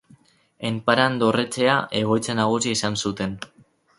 Enparan dorretxea egoitza nagusia izan zuten.